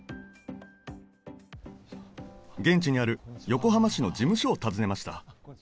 現地にある横浜市の事務所を訪ねました